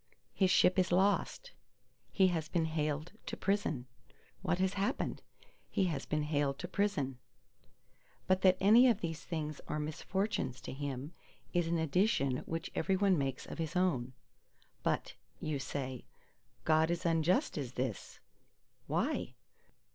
"His ship is lost." "He has been haled to prison." What has happened? "He has been haled to prison." But that any of these things are misfortunes to him, is an addition which every one makes of his own. But (you say) God is unjust is this.—Why?